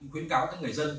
khuyến cáo các người dân